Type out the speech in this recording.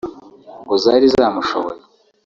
ngo zari zamushoboye